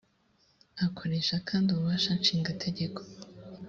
akoresha kandi ububasha ububasha nshingategeko